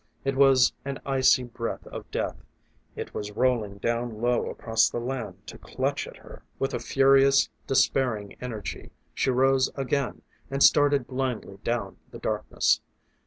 It was an icy breath of death; it was rolling down low across the land to clutch at her. With a furious, despairing energy she rose again and started blindly down the darkness.